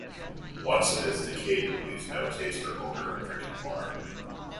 Once it has decayed, it leaves no taste or odour in drinking water.